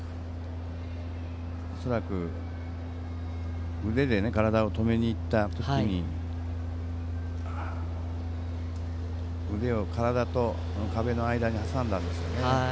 恐らく腕で体を止めに行った時に腕を体と壁の間に挟んだんでしょう。